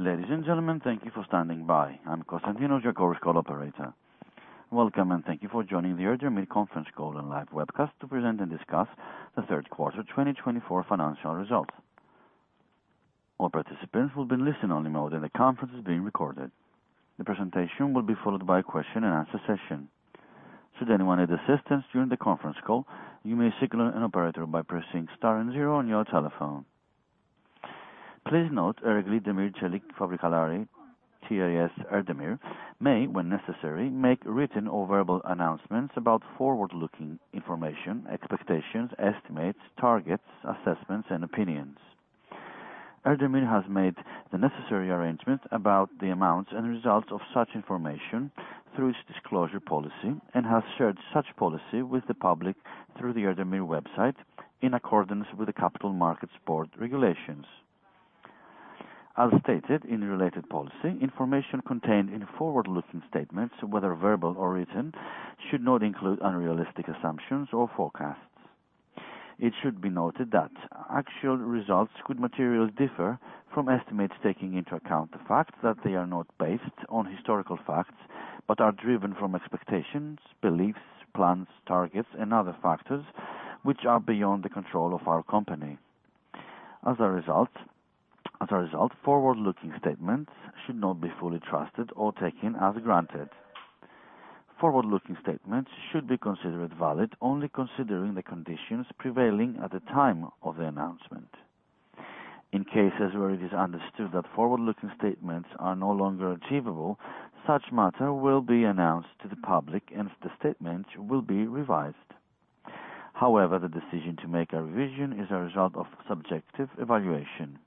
Ladies and gentlemen, thank you for standing by. I'm Constantinos, your call operator. Welcome, and thank you for joining the Erdemir conference call and live webcast to present and discuss the third quarter 2024 financial results. All participants will be in listen-only mode, and the conference is being recorded. The presentation will be followed by a question and answer session. Should anyone need assistance during the conference call, you may signal an operator by pressing star and zero on your telephone. Please note, Ereğli Demir ve Çelik Fabrikaları T.A.Ş., Erdemir may, when necessary, make written or verbal announcements about forward-looking information, expectations, estimates, targets, assessments, and opinions. Erdemir has made the necessary arrangements about the amounts and results of such information through its disclosure policy and has shared such policy with the public through the Erdemir website in accordance with the Capital Markets Board regulations. As stated in the related policy, information contained in forward-looking statements, whether verbal or written, should not include unrealistic assumptions or forecasts. It should be noted that actual results could materially differ from estimates, taking into account the fact that they are not based on historical facts, but are driven from expectations, beliefs, plans, targets, and other factors which are beyond the control of our company. As a result, forward-looking statements should not be fully trusted or taken as granted. Forward-looking statements should be considered valid only considering the conditions prevailing at the time of the announcement. In cases where it is understood that forward-looking statements are no longer achievable, such matter will be announced to the public, and the statement will be revised. However, the decision to make a revision is a result of subjective evaluation.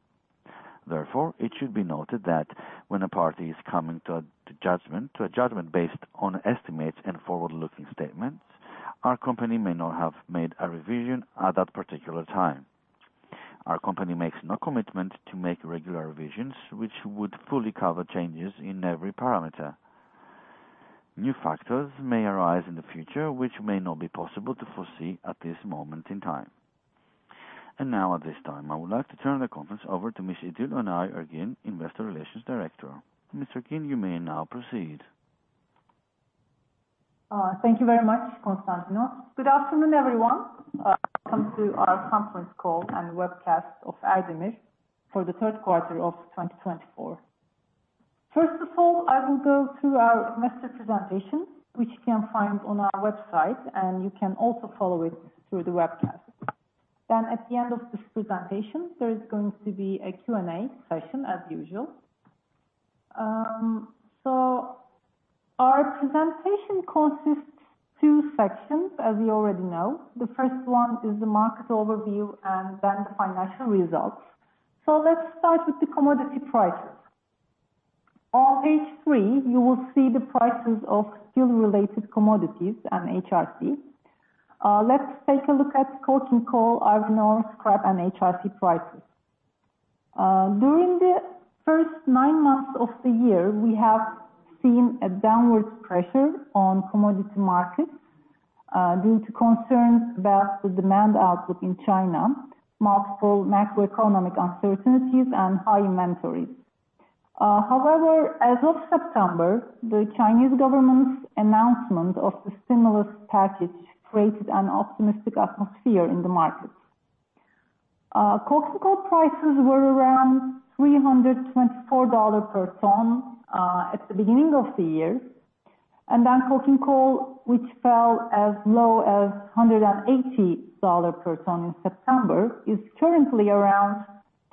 Therefore, it should be noted that when a party is coming to a judgment based on estimates and forward-looking statements, our company may not have made a revision at that particular time. Our company makes no commitment to make regular revisions, which would fully cover changes in every parameter. New factors may arise in the future, which may not be possible to foresee at this moment in time. Now, at this time, I would like to turn the conference over to Ms. İdil Önay Ergin, Investor Relations Director. Ms. Ergin, you may now proceed. Thank you very much, Constantinos. Good afternoon, everyone. Welcome to our conference call and webcast of Erdemir for the third quarter of twenty twenty-four. First of all, I will go through our master presentation, which you can find on our website, and you can also follow it through the webcast. Then at the end of this presentation, there is going to be a Q&A session, as usual. So our presentation consists two sections, as you already know. The first one is the market overview and then the financial results. So let's start with the commodity prices. On page three, you will see the prices of steel-related commodities and HRC. Let's take a look at coking coal, iron ore, scrap, and HRC prices. During the first nine months of the year, we have seen a downward pressure on commodity markets due to concerns about the demand outlook in China, multiple macroeconomic uncertainties, and high inventories. However, as of September, the Chinese government's announcement of the stimulus package created an optimistic atmosphere in the markets. Coking coal prices were around $324 per ton at the beginning of the year, and then coking coal, which fell as low as $180 per ton in September, is currently around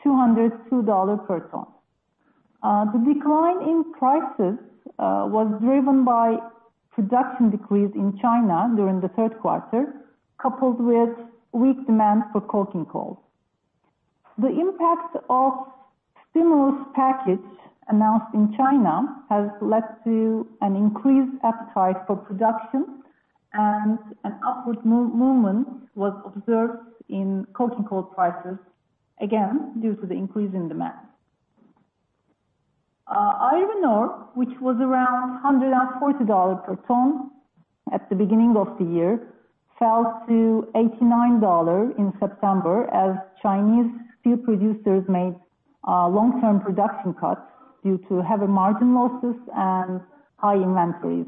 $202 per ton. The decline in prices was driven by production decrease in China during the third quarter, coupled with weak demand for coking coal. The impact of stimulus package announced in China has led to an increased appetite for production, and an upward movement was observed in coking coal prices, again, due to the increase in demand. Iron ore, which was around $140 per ton at the beginning of the year, fell to $89 per ton in September as Chinese steel producers made long-term production cuts due to heavy margin losses and high inventories.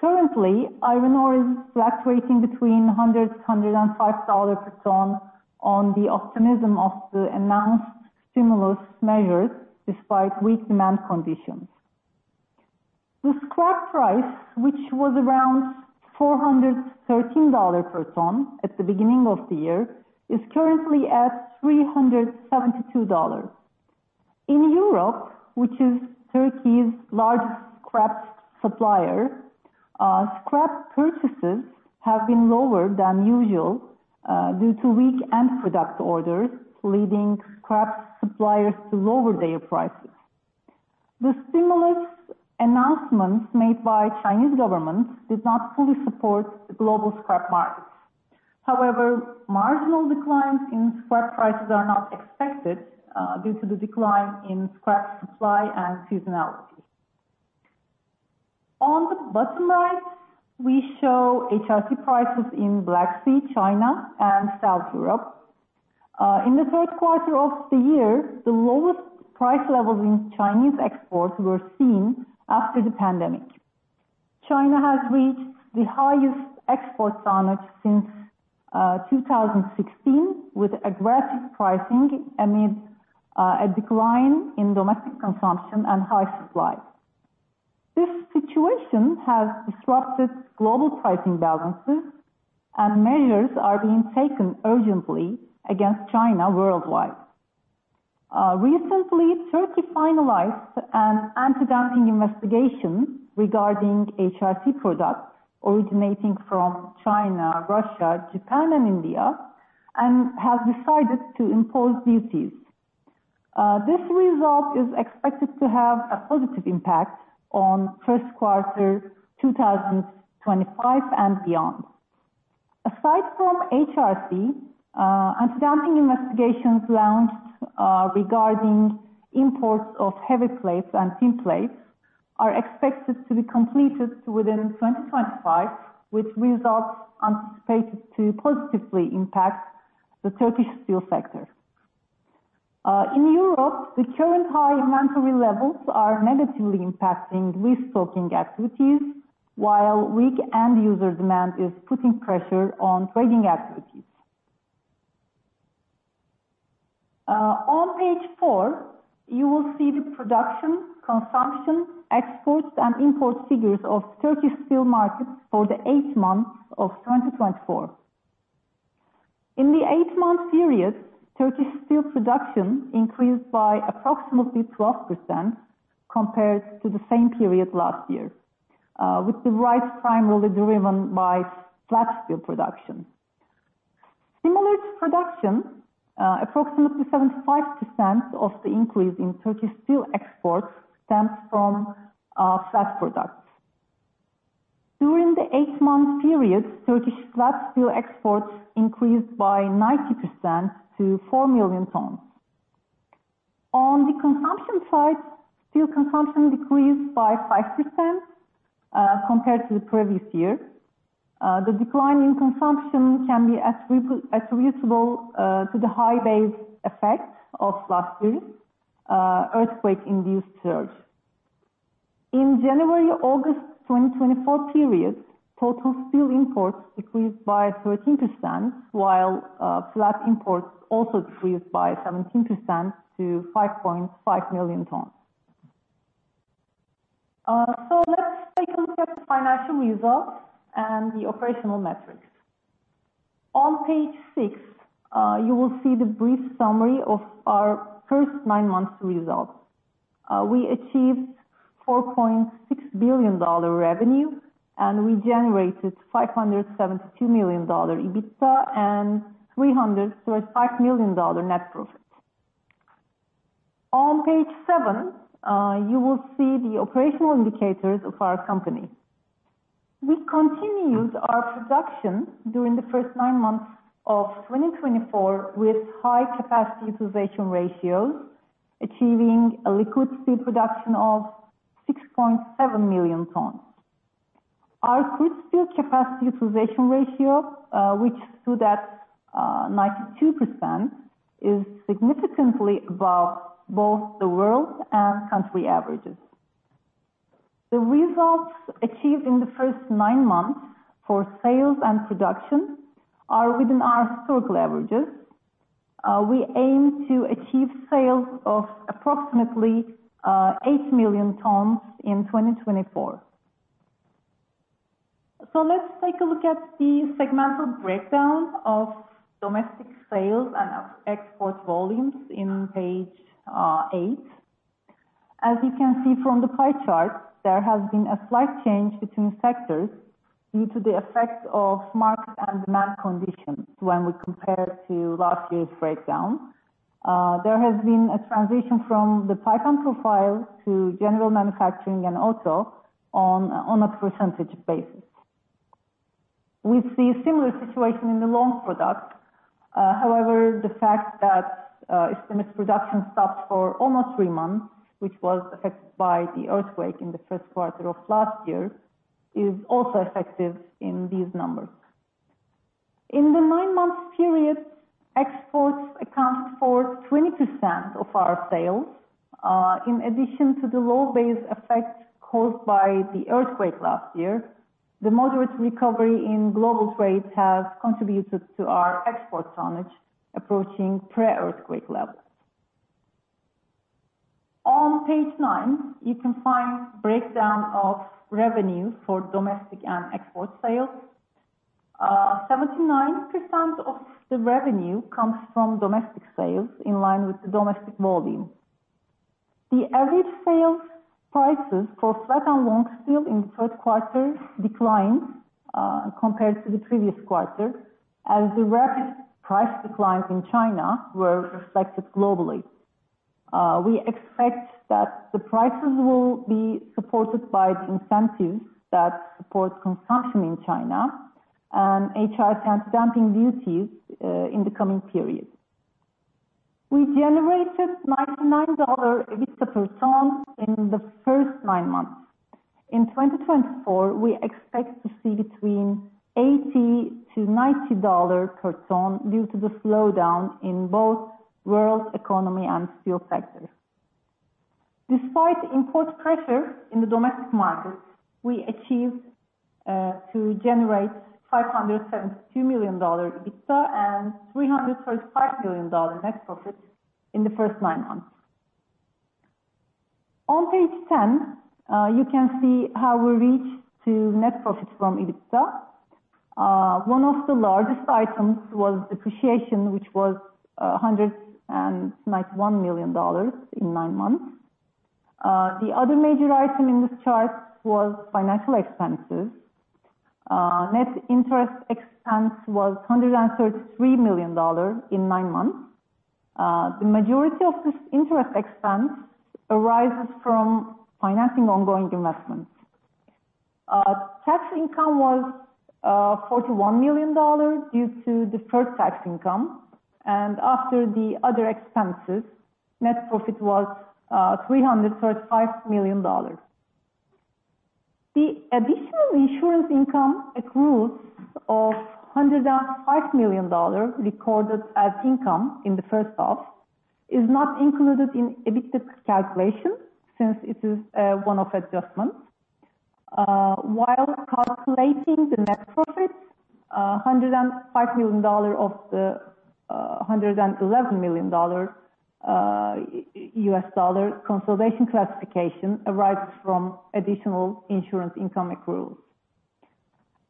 Currently, iron ore is fluctuating between $100-$105 per ton on the optimism of the announced stimulus measures despite weak demand conditions. The scrap price, which was around $413 per ton at the beginning of the year, is currently at $372. In Europe, which is Turkey's largest scrap supplier, scrap purchases have been lower than usual, due to weak end product orders, leading scrap suppliers to lower their prices. The stimulus announcements made by Chinese government does not fully support the global scrap markets. However, marginal declines in scrap prices are not expected, due to the decline in scrap supply and seasonality. Bottom right, we show HRC prices in Black Sea, China, and South Europe. In the third quarter of the year, the lowest price levels in Chinese exports were seen after the pandemic. China has reached the highest export tonnage since 2016, with aggressive pricing amid a decline in domestic consumption and high supply. This situation has disrupted global pricing balances, and measures are being taken urgently against China worldwide. Recently, Turkey finalized an antidumping investigation regarding HRC products originating from China, Russia, Japan, and India, and has decided to impose duties. This result is expected to have a positive impact on first quarter 2025 and beyond. Aside from HRC, antidumping investigations launched, regarding imports of heavy plates and thin plates are expected to be completed within twenty twenty-five, which results anticipated to positively impact the Turkish steel sector. In Europe, the current high inventory levels are negatively impacting restocking activities, while weak end user demand is putting pressure on trading activities. On page four, you will see the production, consumption, exports, and import figures of Turkish steel markets for the eight months of 2024. In the eight-month period, Turkish steel production increased by approximately 12% compared to the same period last year, with the rise primarily driven by flat steel production. Similar to production, approximately 75% of the increase in Turkish steel exports stems from flat products. During the eight-month period, Turkish flat steel exports increased by 90% to 4 million tons. On the consumption side, steel consumption decreased by 5%, compared to the previous year. The decline in consumption can be attributable to the high base effect of last year, earthquake-induced surge. In the January-August 2024 period, total steel imports decreased by 13%, while flat imports also decreased by 17% to 5.5 million tons. So let's take a look at the financial results and the operational metrics. On page six, you will see the brief summary of our first nine months results. We achieved $4.6 billion revenue, and we generated $572 million EBITDA and $335 million net profit. On page seven, you will see the operational indicators of our company. We continued our production during the first nine months of 2024, with high-capacity utilization ratios, achieving a liquid steel production of 6.7 million tons. Our crude steel capacity utilization ratio reached to that 92%, is significantly above both the world and country averages. The results achieved in the first nine months for sales and production are within our historical averages. We aim to achieve sales of approximately 8 million tons in 2024. So let's take a look at the segmental breakdown of domestic sales and of export volumes in page eight. As you can see from the pie chart, there has been a slight change between sectors due to the effect of market and demand conditions when we compare to last year's breakdown. There has been a transition from the pipe and profile to general manufacturing and auto on a percentage basis. We see a similar situation in the long product. However, the fact that İsdemir production stopped for almost three months, which was affected by the earthquake in the first quarter of last year, is also effective in these numbers. In the nine-month period, exports accounted for 20% of our sales. In addition to the low base effect caused by the earthquake last year, the moderate recovery in global trade has contributed to our export tonnage approaching pre-earthquake levels. On page nine, you can find breakdown of revenue for domestic and export sales. 79% of the revenue comes from domestic sales in line with the domestic volume. The average sales prices for flat and long steel in the third quarter declined compared to the previous quarter, as the rapid price declines in China were reflected globally. We expect that the prices will be supported by the incentives that support consumption in China and HR antidumping duties in the coming period. We generated $99 EBITDA per ton in the first nine months. In 2024, we expect to see between $80-$90 per ton due to the slowdown in both world economy and steel sector. Despite import pressure in the domestic market, we achieved to generate $572 million EBITDA, and $335 million net profit in the first nine months. On page 10, you can see how we reach to net profits from EBITDA. One of the largest items was depreciation, which was hundred and ninety-one million dollars in nine months. The other major item in this chart was financial expenses. Net interest expense was hundred and thirty-three million dollars in nine months. The majority of this interest expense arises from financing ongoing investments. Tax income was $41 million due to deferred tax income, and after the other expenses, net profit was $335 million. The additional insurance income accruals of $105 million, recorded as income in the first half, is not included in EBITDA calculation since it is one of adjustments. While calculating the net profits, $105 million of the $111 million U.S. dollar consolidation classification arises from additional insurance income accruals.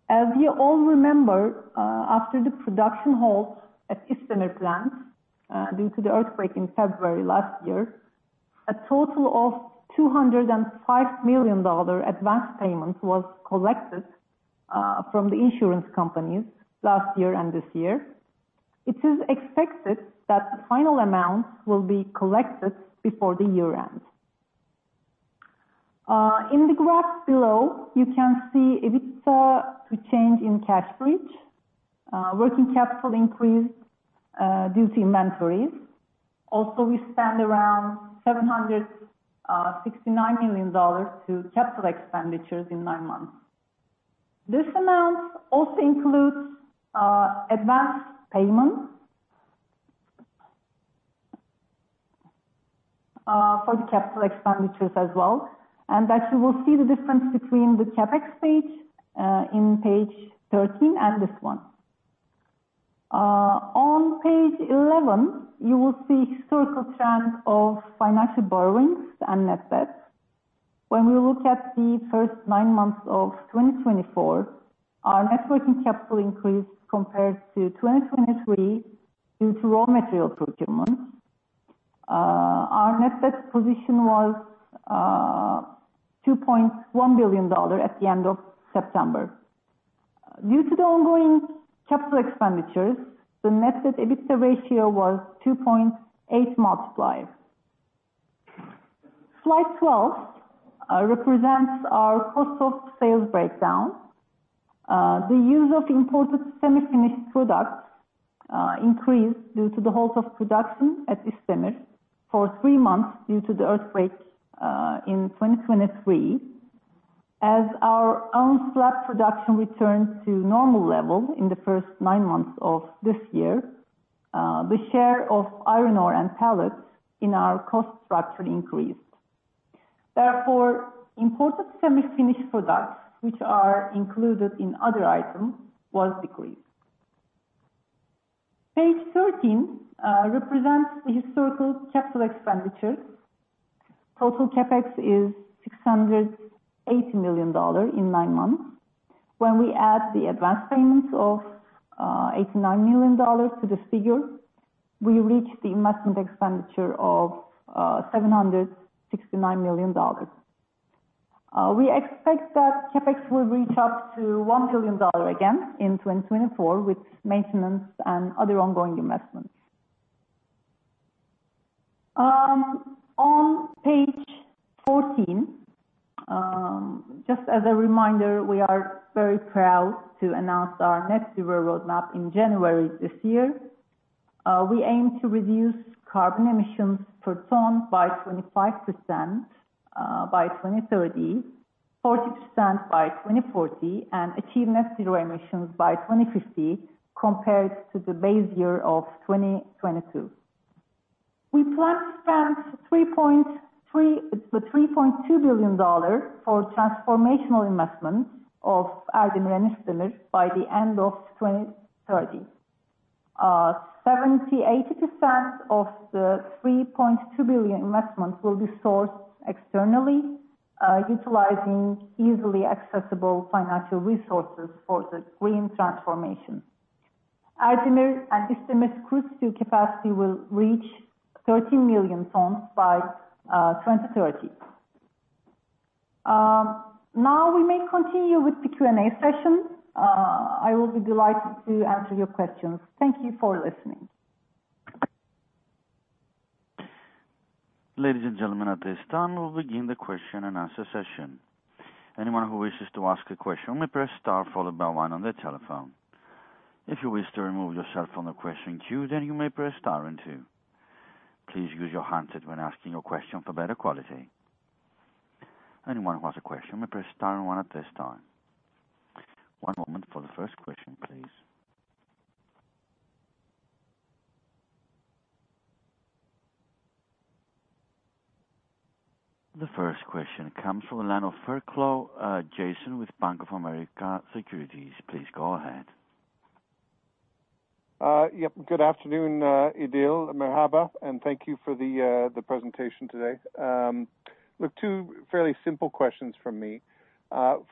As you all remember, after the production halt at İsdemir plant due to the earthquake in February last year, a total of $205 million advanced payments was collected from the insurance companies last year and this year. It is expected that the final amounts will be collected before the year end. In the graph below, you can see EBITDA to change in cash bridge. Working capital increased due to inventories. Also, we spent around $769 million to capital expenditures in nine months. This amount also includes advanced payment for the capital expenditures as well, and that you will see the difference between the CapEx page in page 13 and this one. On page 11, you will see historical trend of financial borrowings and net debt. When we look at the first nine months of 2024, our net working capital increased compared to 2023 due to raw material procurement. Our net debt position was $2.1 billion at the end of September. Due to the ongoing capital expenditures, the net debt EBITDA ratio was 2.8 multiplier. Slide twelve represents our cost of sales breakdown. The use of imported semi-finished products increased due to the halt of production at İsdemir for three months due to the earthquake in 2023. As our own slab production returned to normal level in the first nine months of this year, the share of iron ore and pellets in our cost structure increased. Therefore, imported semi-finished products, which are included in other items, was decreased. Page thirteen represents the historical capital expenditures. Total CapEx is $680 million in nine months. When we add the advanced payments of $89 million to this figure, we reach the investment expenditure of $769 million. We expect that CapEx will reach up to $1 billion again in 2024, with maintenance and other ongoing investments. On page 14, just as a reminder, we are very proud to announce our net zero roadmap in January this year. We aim to reduce carbon emissions per ton by 25% by 2030, 40% by 2040, and achieve net zero emissions by 2050, compared to the base year of 2022. We plan to spend $3.2 billion for transformational investments of Erdemir and İsdemir by the end of 2030. Seventy, eighty percent of the $3.2 billion investment will be sourced externally, utilizing easily accessible financial resources for the green transformation. Erdemir and İsdemir crude steel capacity will reach 13 million tons by 2030. Now we may continue with the Q&A session. I will be delighted to answer your questions. Thank you for listening. Ladies and gentlemen, at this time, we'll begin the question-and-answer session. Anyone who wishes to ask a question, may press star followed by one on their telephone. If you wish to remove yourself from the question queue, then you may press star and two. Please use your handset when asking your question for better quality. Anyone who has a question may press star and one at this time. One moment for the first question, please. The first question comes from the line of Fairclough, Jason, with Bank of America Securities. Please go ahead. Yep, good afternoon, İdil, marhaba, and thank you for the presentation today. With two fairly simple questions from me.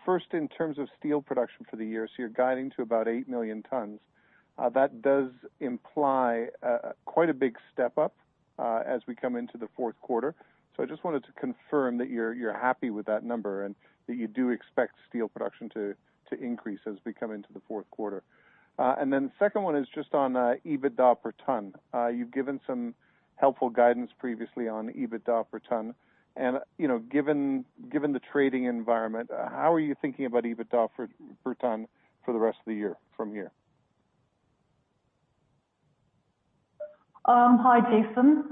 First, in terms of steel production for the year, so you're guiding to about eight million tons. That does imply quite a big step up as we come into the fourth quarter. So I just wanted to confirm that you're happy with that number, and that you do expect steel production to increase as we come into the fourth quarter. And then the second one is just on EBITDA per ton. You've given some helpful guidance previously on EBITDA per ton. And, you know, given the trading environment, how are you thinking about EBITDA per ton for the rest of the year from here? Hi, Jason.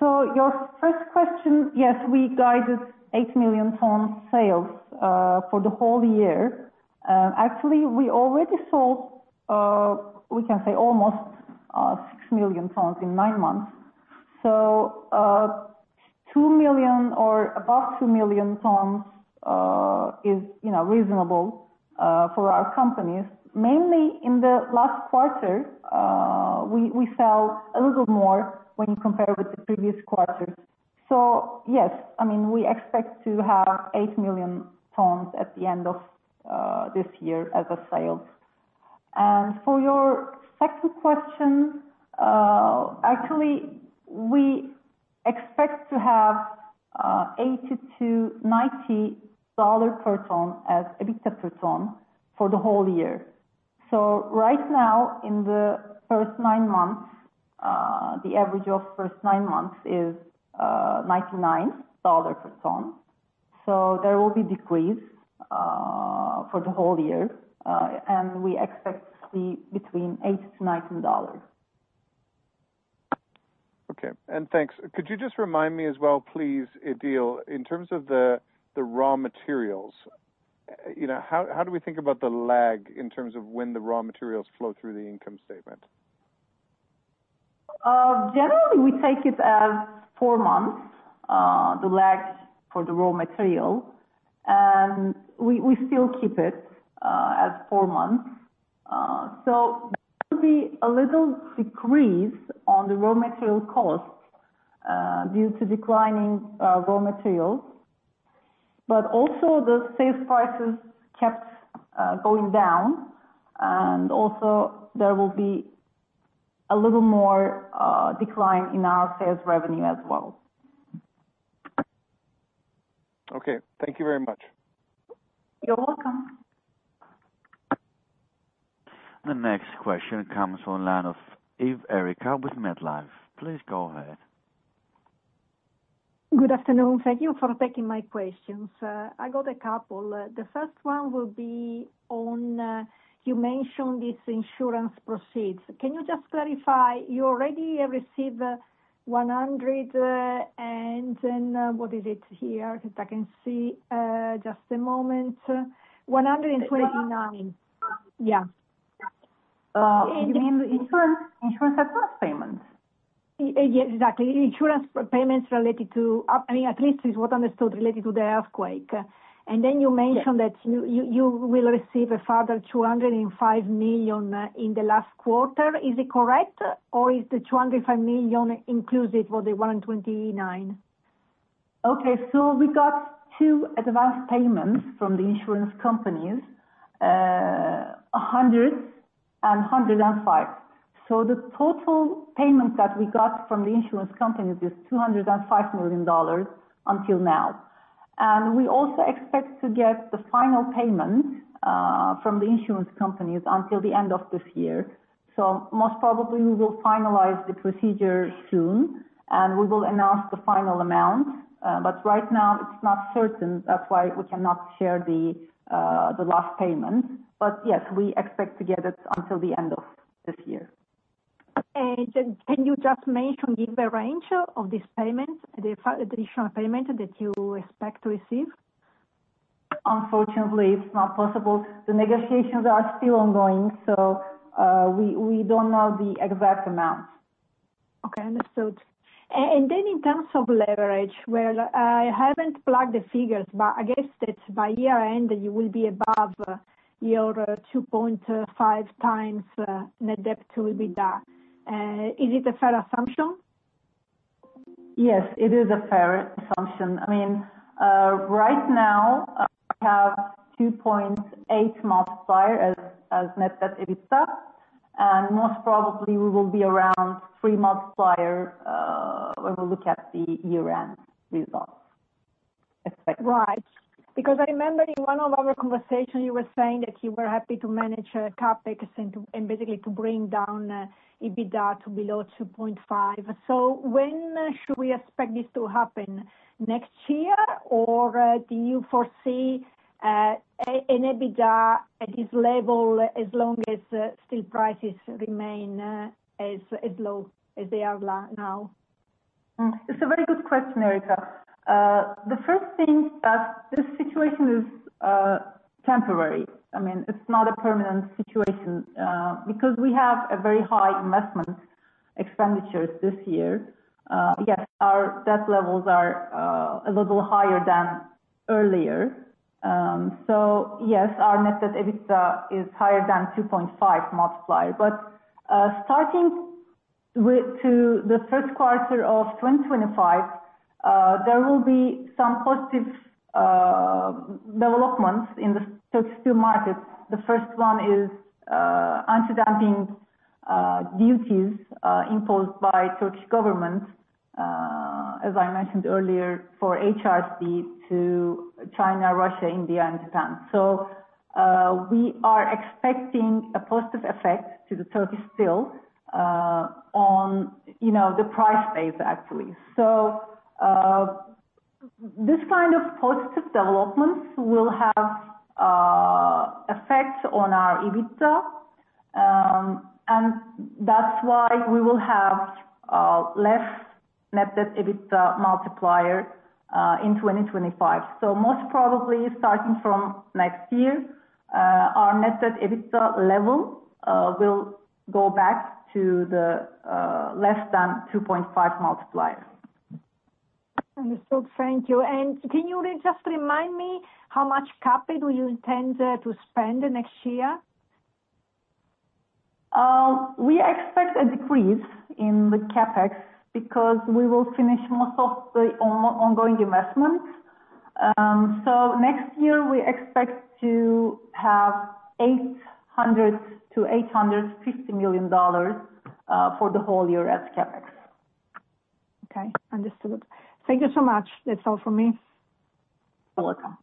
So your first question: Yes, we guided 8 million ton sales for the whole year. Actually, we already sold. We can say almost 6 million tons in nine months. So 2 million or above 2 million tons is, you know, reasonable for our companies. Mainly in the last quarter, we sell a little more when compared with the previous quarters. So yes, I mean, we expect to have 8 million tons at the end of this year as sales. And for your second question, actually, we expect to have $80-$90 per ton as EBITDA per ton for the whole year. So right now, in the first nine months, the average of first nine months is $99 per ton. There will be decrease for the whole year, and we expect to see between $8 to $19. Okay. And thanks. Could you just remind me as well, please, İdil, in terms of the raw materials, you know, how do we think about the lag in terms of when the raw materials flow through the income statement? Generally, we take it as four months, the lag for the raw material, and we still keep it as four months. So there will be a little decrease on the raw material cost due to declining raw materials. But also the sales prices kept going down, and also there will be a little more decline in our sales revenue as well. Okay. Thank you very much. You're welcome. The next question comes from line of Eve Erica with MetLife. Please go ahead. Good afternoon. Thank you for taking my questions. I got a couple. The first one will be on, you mentioned this insurance proceeds. Can you just clarify, you already have received one hundred and then, what is it here? That I can see, just a moment, $129 million. Yeah. You mean insurance, insurance advance payments? Yes, exactly. Insurance payments related to, I mean, at least is what I understood, related to the earthquake. Yes. Then you mentioned that you will receive a further $205 million in the last quarter. Is it correct, or is the $205 million inclusive for the $129 million? Okay, so we got two advanced payments from the insurance companies, $100 million and $105 million. The total payments that we got from the insurance companies is $205 million until now. We also expect to get the final payment from the insurance companies until the end of this year. Most probably we will finalize the procedure soon, and we will announce the final amount. But right now it's not certain; that's why we cannot share the last payment. But yes, we expect to get it until the end of this year. Then, can you just mention give a range of this payment, the additional payment that you expect to receive? Unfortunately, it's not possible. The negotiations are still ongoing, so we don't know the exact amount. Okay, understood. And then in terms of leverage, well, I haven't plugged the figures, but I guess that by year-end, you will be above your 2.5x net debt to EBITDA. Is it a fair assumption? Yes, it is a fair assumption. I mean, right now, we have 2.8 multiplier as net debt EBITDA, and most probably we will be around three multiplier, when we look at the year-end results. Right, because I remember in one of our conversations, you were saying that you were happy to manage CapEx and to, and basically to bring down EBITDA to below 2.5. So when should we expect this to happen? Next year, or do you foresee an EBITDA at this level as long as steel prices remain as low as they are now? It's a very good question, Erica. The first thing is that this situation is temporary. I mean, it's not a permanent situation, because we have a very high investment expenditures this year. Yes, our debt levels are a little higher than earlier. So yes, our net debt EBITDA is higher than 2.5 multiplier. But starting with the first quarter of 2025, there will be some positive developments in the Turkish steel markets. The first one is antidumping duties imposed by Turkish government, as I mentioned earlier, for HRC to China, Russia, India and Pakistan. So we are expecting a positive effect to the Turkish steel, on you know, the price base, actually. So, this kind of positive developments will have effects on our EBITDA, and that's why we will have less net debt EBITDA multiplier in 2025. So most probably starting from next year, our net debt EBITDA level will go back to the less than 2.5 multiplier. Understood. Thank you. And can you just remind me how much CapEx do you intend to spend next year? We expect a decrease in the CapEx because we will finish most of the ongoing investments. So next year, we expect to have $800 million-$850 million for the whole year as CapEx. Okay, understood. Thank you so much. That's all for me. You're welcome.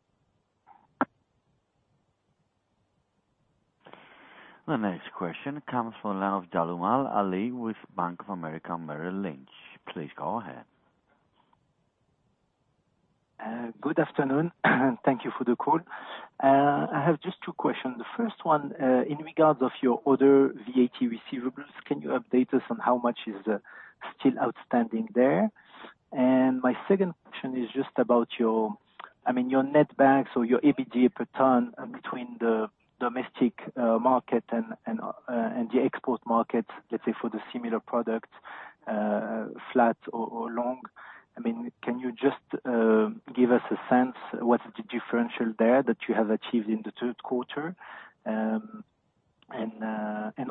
The next question comes from Jalal Ali, with Bank of America Merrill Lynch. Please go ahead. Good afternoon, thank you for the call. I have just two questions. The first one, in regards of your other VAT receivables, can you update us on how much is still outstanding there? And my second question is just about your, I mean, your netbacks or your EBITDA per ton between the domestic market and the export market, let's say, for the similar product, flat or long. I mean, can you just give us a sense what's the differential there that you have achieved in the third quarter? And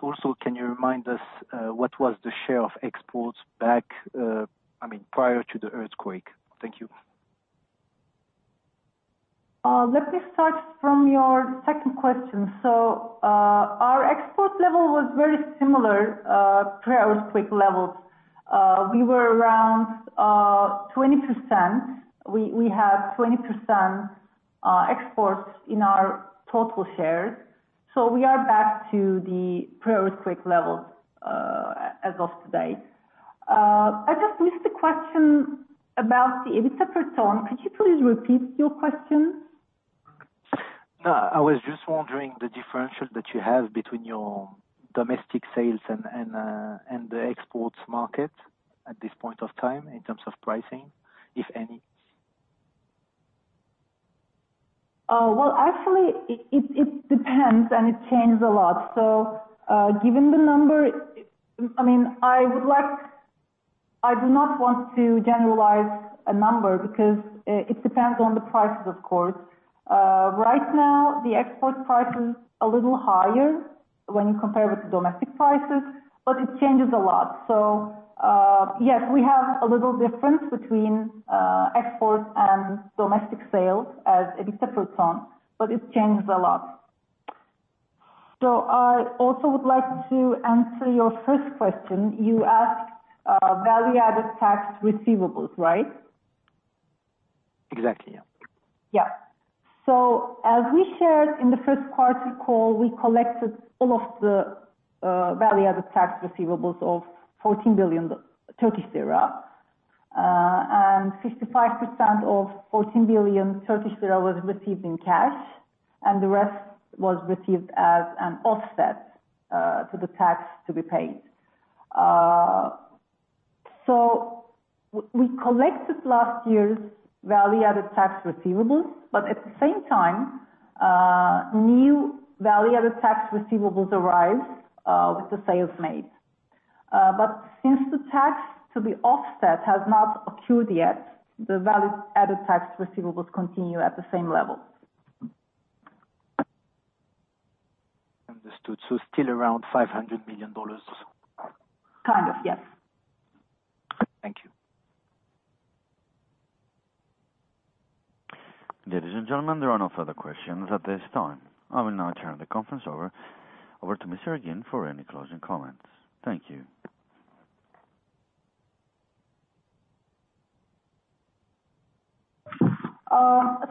also, can you remind us what was the share of exports back, I mean, prior to the earthquake? Thank you. Let me start from your second question. So, our export level was very similar to pre-earthquake levels. We were around 20%. We have 20% exports in our total shares. So we are back to the pre-earthquake levels as of today. I missed the question about the EBITDA per ton. Could you please repeat your question? No, I was just wondering the differential that you have between your domestic sales and the exports market at this point of time, in terms of pricing, if any? Well, actually, it depends, and it changes a lot. So, given the number, I mean, I would like... I do not want to generalize a number because it depends on the prices, of course. Right now, the export price is a little higher when you compare with the domestic prices, but it changes a lot. So, yes, we have a little difference between export and domestic sales as EBITDA per ton, but it changes a lot. So I also would like to answer your first question. You asked value-added tax receivables, right? Exactly, yeah. Yeah. So as we shared in the first quarter call, we collected all of the value-added tax receivables of 14 billion Turkish lira, and 55% of 14 billion Turkish lira was received in cash, and the rest was received as an offset to the tax to be paid, so we collected last year's value-added tax receivables, but at the same time, new value-added tax receivables arise with the sales made, but since the tax to be offset has not occurred yet, the value-added tax receivables continue at the same level. Understood. So still around $500 million? Kind of, yes. Thank you. Ladies and gentlemen, there are no further questions at this time. I will now turn the conference over to Ms. Ergin for any closing comments. Thank you.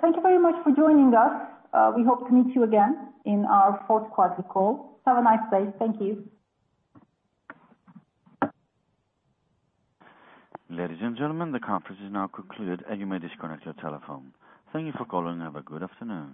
Thank you very much for joining us. We hope to meet you again in our fourth quarter call. Have a nice day. Thank you. Ladies and gentlemen, the conference is now concluded, and you may disconnect your telephone. Thank you for calling, and have a good afternoon.